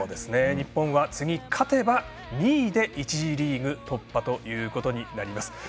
日本は次、勝てば２位で１次リーグ突破ということになります。